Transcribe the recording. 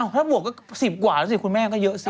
ถ้าบวกก็๑๐กว่าแล้วสิคุณแม่ก็เยอะสิ